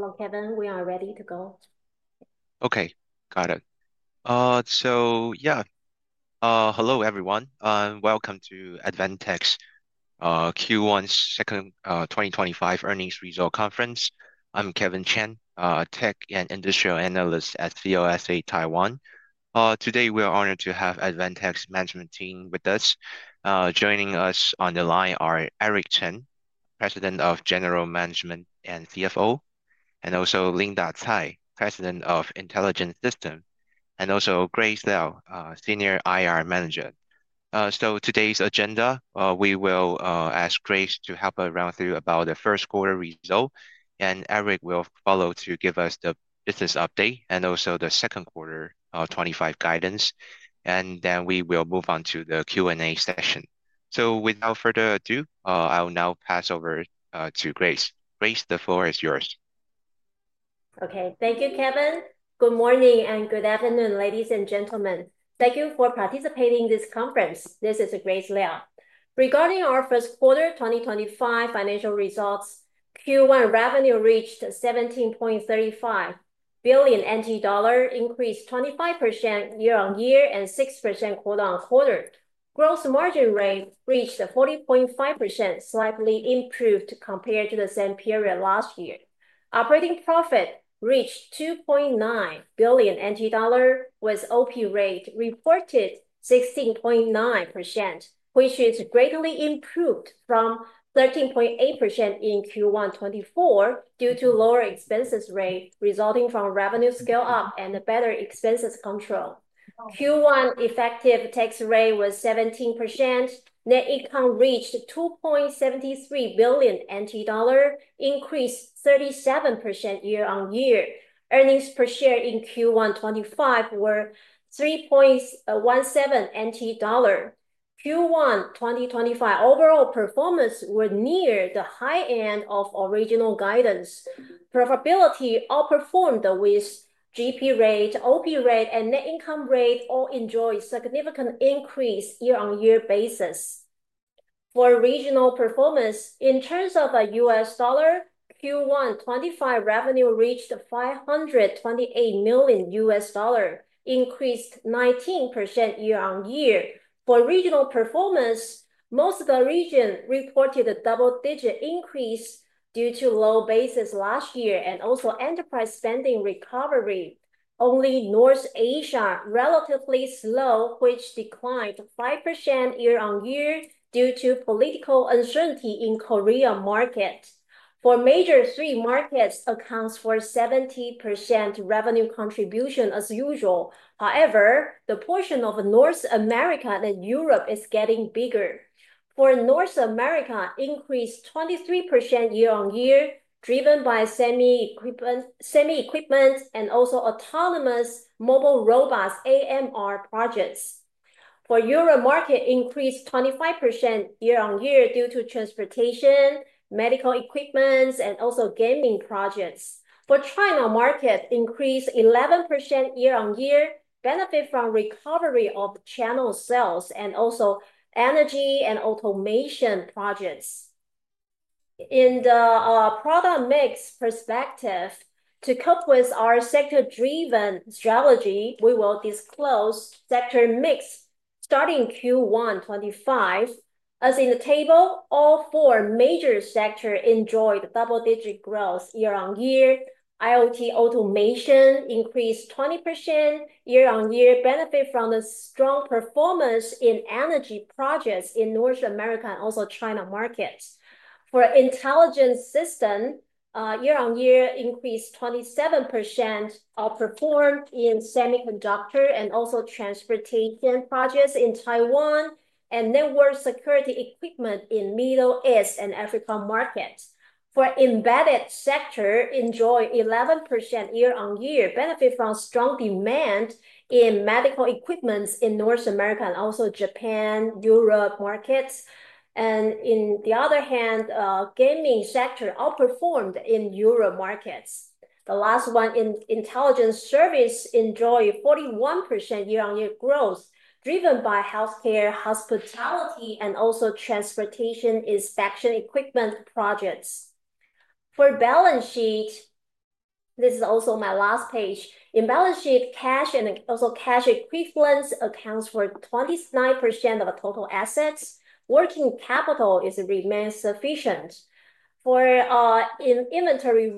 Hello, Kevin. We are ready to go. Okay, got it. So yeah. Hello everyone, and welcome to Advantech's Q1 2025 Earnings Results conference. I'm Kevin Chen, Tech and Industrial Analyst at CLSA Taiwan. Today we are honored to have Advantech's management team with us. Joining us on the line are Eric Chen, President of General Management and CFO, and also Linda Tsai, President of Intelligent Systems, and also Grace Liao, Senior IR Manager. So today's agenda, we will ask Grace to help us run through about the first quarter result, and Eric will follow to give us the business update and also the second quarter, 2025 guidance. And then we will move on to the Q&A session. Without further ado, I'll now pass over to Grace. Grace, the floor is yours. Okay, thank you, Kevin. Good morning and good afternoon, ladies and gentlemen. Thank you for participating in this conference. This is Grace Liao. Regarding our First Quarter 2025 Financial Results, Q1 revenue reached 17.35 billion NT dollars, increased 25% year on year and 6% quarter on quarter. Gross margin rate reached 40.5%, slightly improved compared to the same period last year. Operating profit reached 2.9 billion NT dollar, with OP rate reported 16.9%, which is greatly improved from 13.8% in Q1 2024 due to lower expenses rate resulting from revenue scale up and better expenses control. Q1 effective tax rate was 17%. Net income reached TWD 2.73 billion, increased 37% year-on-year. Earnings per share in Q1 2025 were TWD 3.17. Q1 2025 overall performance were near the high end of original guidance. Profitability outperformed with GP rate, OP rate, and net income rate all enjoy significant increase year-on-year basis. For regional performance, in terms of U.S. dollar, Q1 2025 revenue reached $528 million, increased 19% year-on-year. For regional performance, most of the region reported a double digit increase due to low basis last year and also enterprise spending recovery. Only North Asia relatively slow, which declined 5% year-on-year due to political uncertainty in Korea market. For major three markets, accounts for 70% revenue contribution as usual. However, the portion of North America and Europe is getting bigger. For North America, increased 23% year-on-year, driven by semi equipment, semi equipment, and also autonomous mobile robots AMR projects. For Europe market, increased 25% year-on-year due to transportation, medical equipments, and also gaming projects. For China market, increased 11% year-on-year, benefit from recovery of channel sales and also energy and automation projects. In the, product mix perspective, to cope with our sector driven strategy, we will disclose sector mix starting Q1 2025. As in the table, all four major sectors enjoyed double-digit growth year-on-year. IoT Automation increased 20% year-on-year, benefit from the strong performance in energy projects in North America and also China markets. For Intelligent Systems, year-on-year increased 27% outperformed in semiconductor and also transportation projects in Taiwan and network security equipment in Middle East and African markets. For Embedded sector, enjoy 11% year on year, benefit from strong demand in medical equipment in North America and also Japan, Europe markets. On the other hand, gaming sector outperformed in Europe markets. The last one in Intelligence Service enjoyed 41% year on year growth, driven by healthcare, hospitality, and also transportation inspection equipment projects. For balance sheet, this is also my last page. In balance sheet, cash and also cash equivalence accounts for 29% of total assets. Working capital remains sufficient. For, in inventory.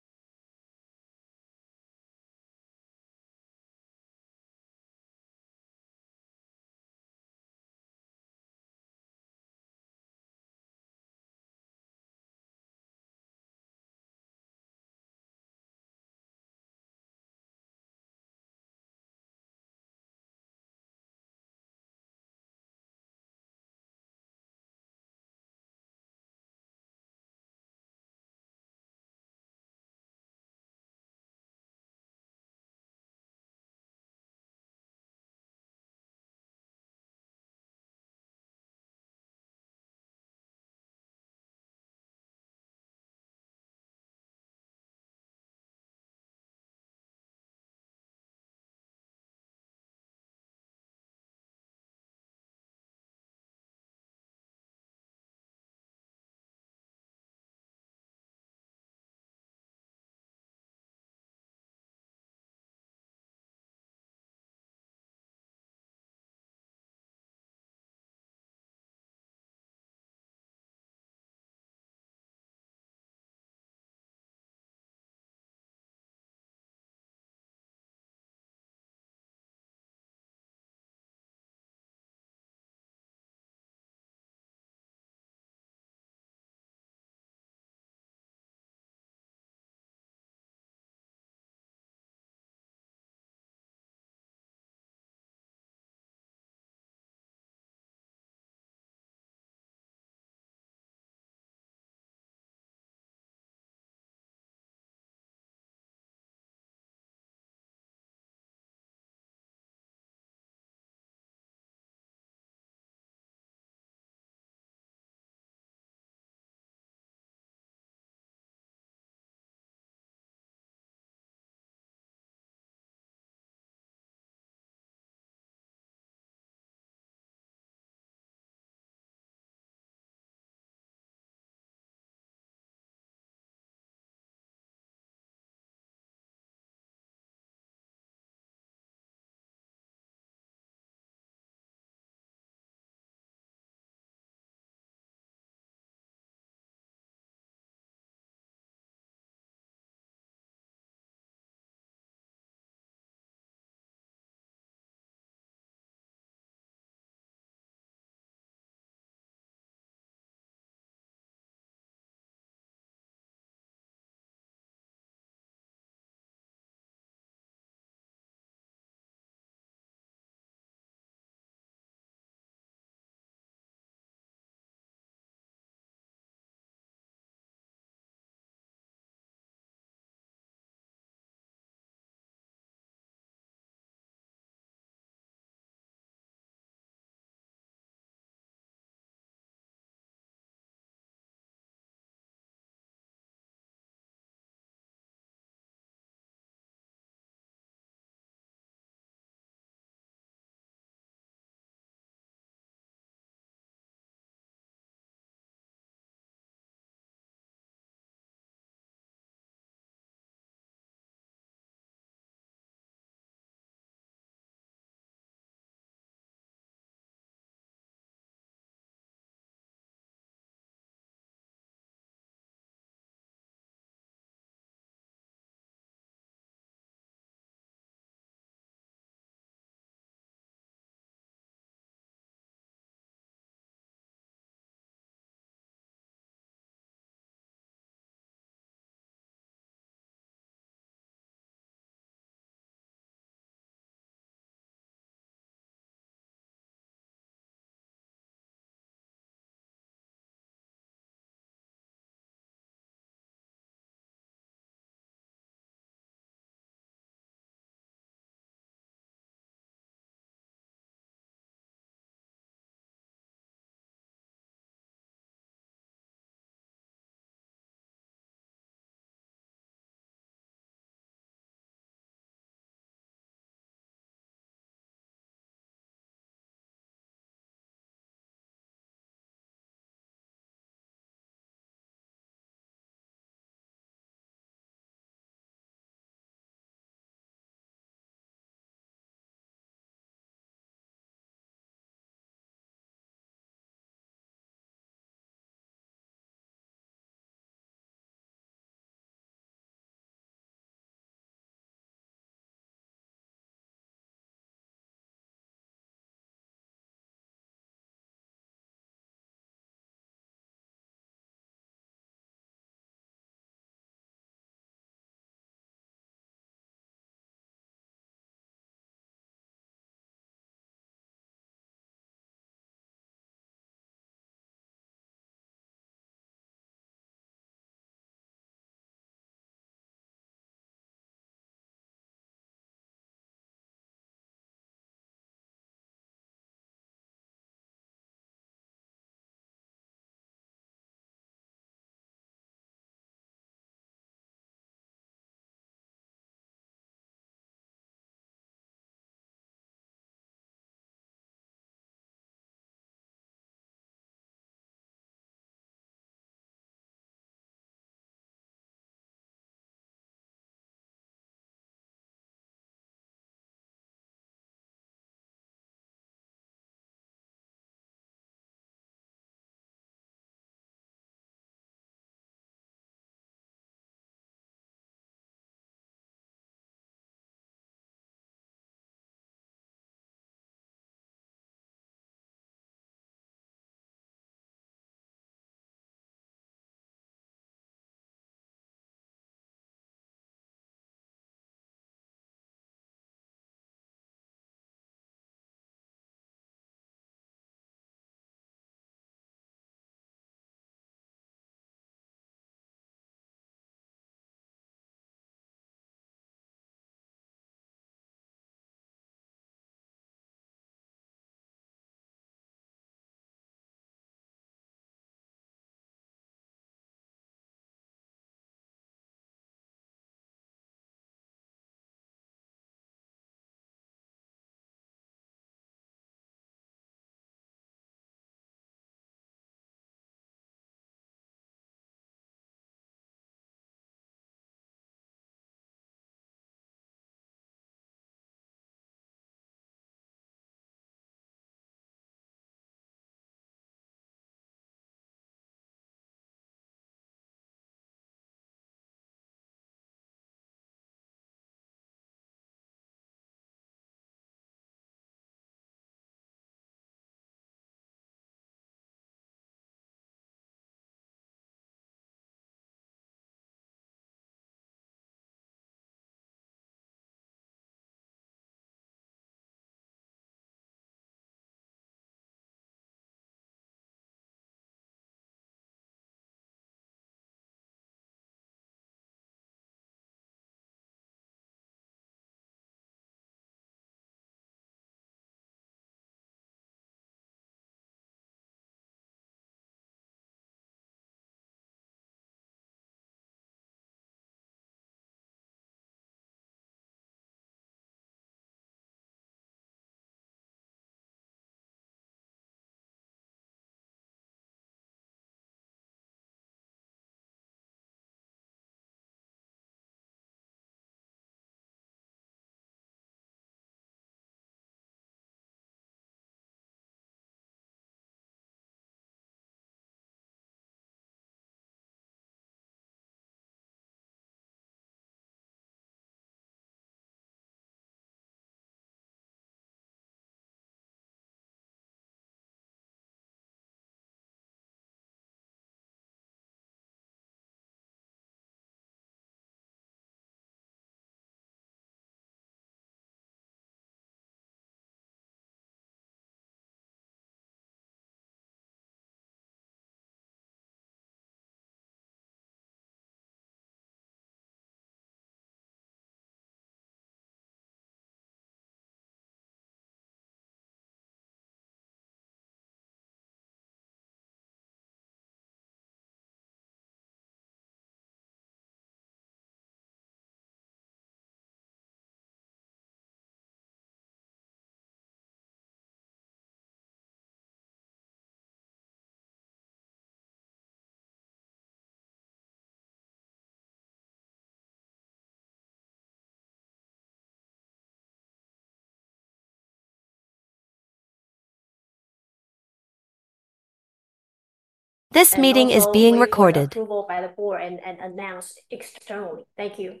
This meeting is being recorded. Thank you.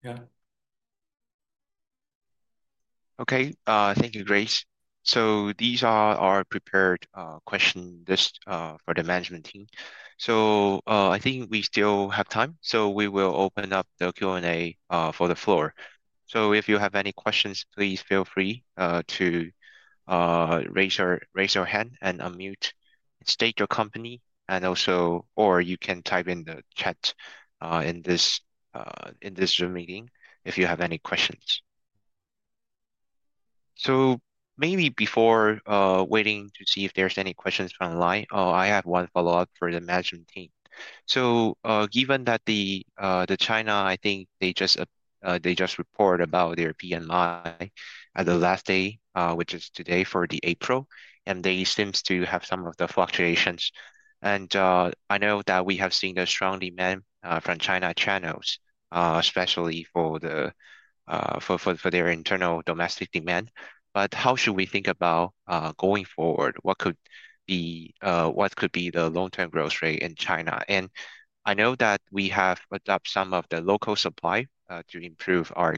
Yeah. Okay. Thank you, Grace. These are our prepared questions for the management team. I think we still have time. We will open up the Q&A for the floor. If you have any questions, please feel free to raise your hand and unmute and state your company. Also, you can type in the chat in this Zoom meeting if you have any questions. Maybe before waiting to see if there's any questions online, I have one follow-up for the management team. Given that China, I think they just reported about their PLI at the last day, which is today, for April, and they seem to have some of the fluctuations. I know that we have seen a strong demand from China channels, especially for their internal domestic demand. How should we think about going forward? What could be the long-term growth rate in China? I know that we have adopted some of the local supply to improve our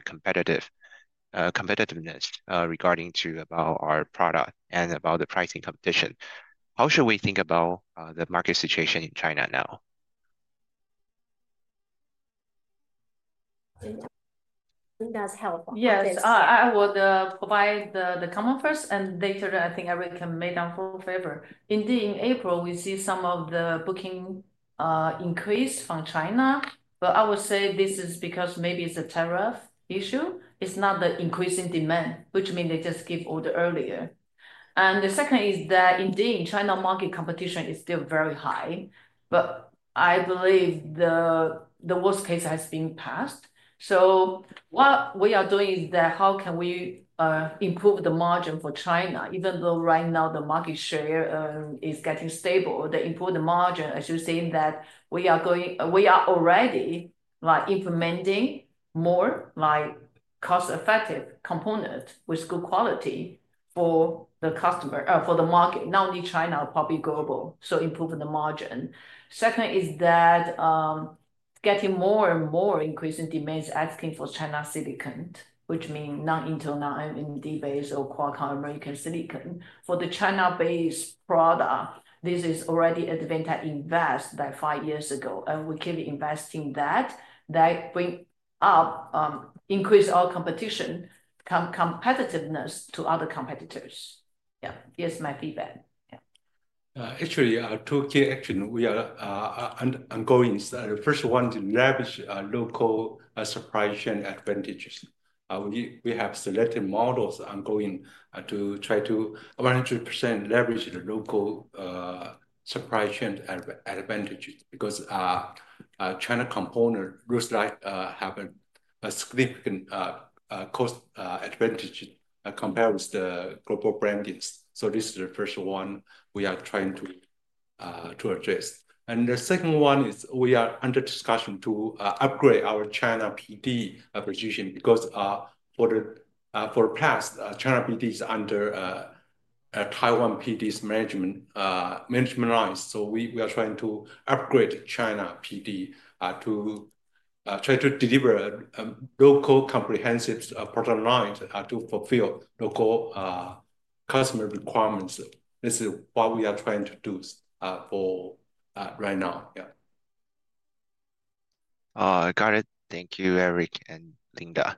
competitiveness regarding our product and about the pricing competition. How should we think about the market situation in China now? I think that's helpful. Yes. I would provide the comment first, and later I think everyone can make down full favor. Indeed, in April, we see some of the booking increase from China. I would say this is because maybe it's a tariff issue. It's not the increasing demand, which means they just give order earlier. The second is that indeed, China market competition is still very high. I believe the worst case has been passed. What we are doing is that how can we improve the margin for China? Even though right now the market share is getting stable, the important margin, as you're saying, we are already implementing more cost-effective components with good quality for the customer or for the market, not only China, probably global. Improving the margin. Second is that getting more and more increasing demands asking for China silicon, which means non-Intel, non-AMD-based, or Qualcomm American silicon. For the China-based product, this is already Advantech invested five years ago. We keep investing in that. That increases our competitiveness to other competitors. Yeah. Here's my feedback. Actually, two key actions we are ongoing. The first one is to leverage local supply chain advantages. We have selected models ongoing to try to 100% leverage the local supply chain advantages because China component looks like have a significant cost advantage compared with the global brandings. This is the first one we are trying to address. The second one is we are under discussion to upgrade our China PD position because for the past, China PD is under Taiwan PD's management lines. We are trying to upgrade China PD to try to deliver local comprehensive product lines to fulfill local customer requirements. This is what we are trying to do for right now. Got it. Thank you, Eric and Linda.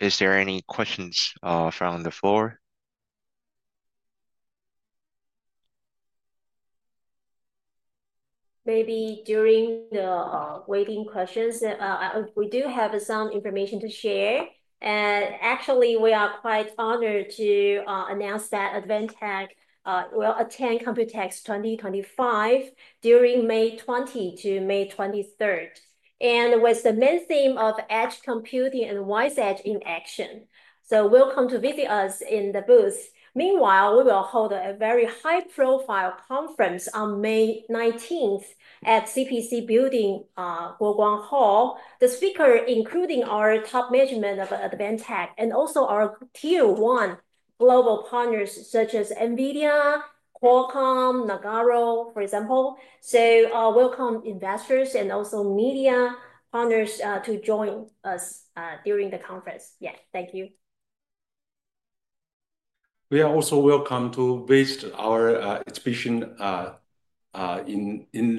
Is there any questions from the floor? Maybe during the waiting questions, we do have some information to share. Actually, we are quite honored to announce that Advantech will attend COMPUTEX 2025 during May 20 to May 23rd, with the main theme of edge computing and WISE-Edge in action. Welcome to visit us in the booth. Meanwhile, we will hold a very high-profile conference on May 19 at CPC Building, Guoguang Hall. The speaker, including our top management of Advantech and also our Tier 1 global partners such as NVIDIA, Qualcomm, NAGRA, for example. Welcome investors and also media partners to join us during the conference. Yeah. Thank you. We also welcome you to visit our exhibition in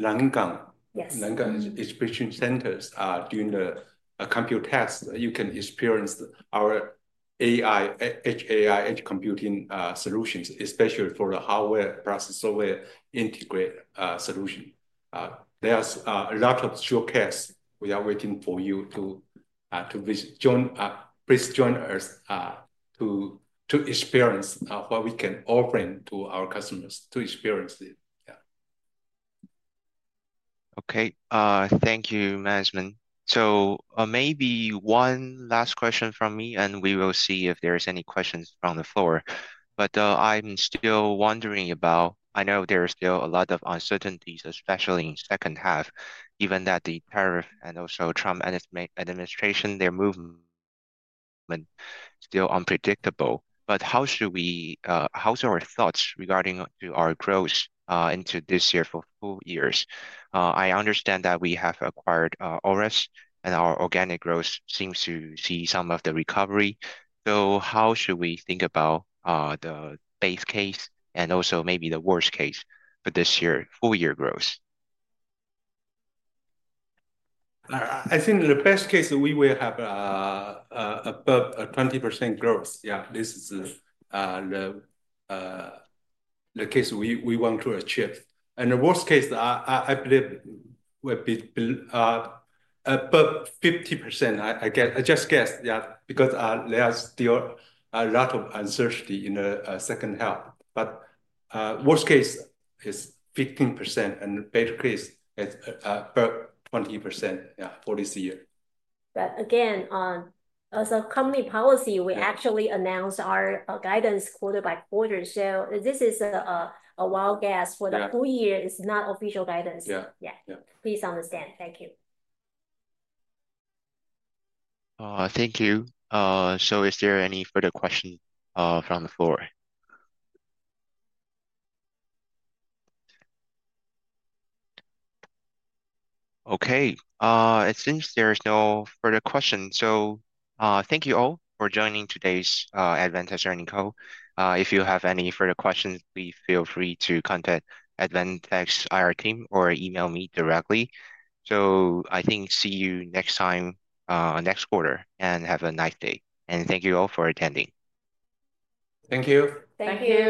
Nangang. Yes. Nangang's exhibition centers during COMPUTEX. You can experience our AI, edge AI, edge computing solutions, especially for the hardware plus software integrate solution. There are a lot of showcase. We are waiting for you to join. Please join us to experience what we can offer to our customers to experience it. Okay. Thank you, management. Maybe one last question from me, and we will see if there's any questions from the floor. I'm still wondering about, I know there's still a lot of uncertainties, especially in second half, given that the tariff and also Trump administration, their movement, still unpredictable. How should we, how's our thoughts regarding to our growth into this year for full years? I understand that we have acquired Aures, and our organic growth seems to see some of the recovery. How should we think about the base case and also maybe the worst case for this year, full year growth? I think the best case we will have above 20% growth. Yeah. This is the case we want to achieve. The worst case, I believe, will be above 15%. I guess I just guess, yeah, because there are still a lot of uncertainty in the second half. Worst case is 15%, and the better case is above 20% for this year. Again, as a company policy, we actually announce our guidance quarter by quarter. This is a wild guess for the full year. It is not official guidance. Yeah. Yeah. Please understand. Thank you. Thank you. Is there any further questions from the floor? Okay. It seems there are no further questions. Thank you all for joining today's Advantech earnings call. If you have any further questions, please feel free to contact Advantech's IR team or email me directly. I think see you next time next quarter, and have a nice day. Thank you all for attending. Thank you. Thank you.